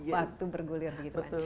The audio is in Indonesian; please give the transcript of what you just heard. waktu bergulir begitu banyak